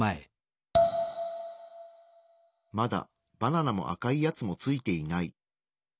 まだバナナも赤いやつもついていない。